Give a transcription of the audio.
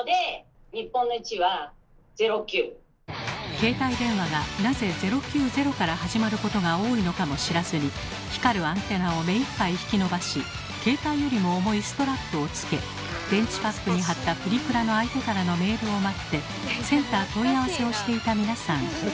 携帯電話がなぜ「０９０」から始まることが多いのかも知らずに光るアンテナを目いっぱい引き伸ばし携帯よりも重いストラップをつけ電池パックに貼ったプリクラの相手からのメールを待ってセンター問い合わせをしていた皆さん。